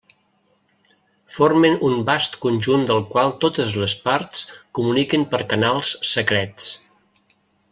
Formen un vast conjunt del qual totes les parts comuniquen per canals secrets.